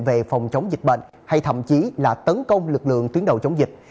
về phòng chống dịch bệnh hay thậm chí là tấn công lực lượng tuyến đầu chống dịch